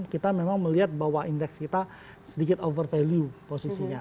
kita memang melihat bahwa indeks kita sedikit over value posisinya